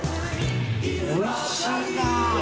おいしいな。